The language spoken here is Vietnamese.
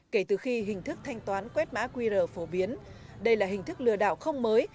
kể từ khi hình thức thanh toán quét mã qr phổ biến đây là hình thức lừa đảo không mới